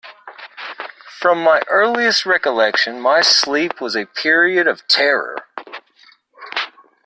From my earliest recollection my sleep was a period of terror.